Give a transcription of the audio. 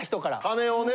金をね